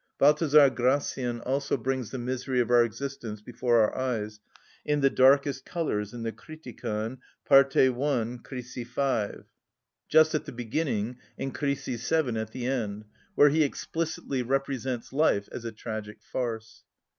Baltazar Gracian also brings the misery of our existence before our eyes in the darkest colours in the "Criticon," Parte i., Crisi 5, just at the beginning, and Crisi 7 at the end, where he explicitly represents life as a tragic farce.